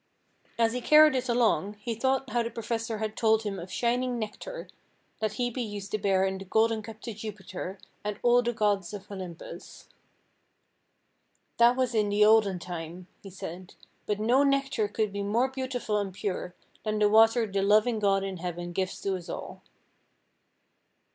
As he carried it along, he thought how the professor had told him of shining nectar that Hebe used to bear in the golden cup to Jupiter and all the gods of Olympus. "That was in the olden time," he said, "but no nectar could be more beautiful and pure than the water the loving God in heaven gives to us all."